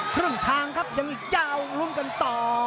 ครึ่งทางครับยังอีกเจ้าลุ้นกันต่อ